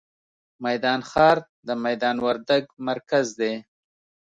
میدان ښار، د میدان وردګ مرکز دی.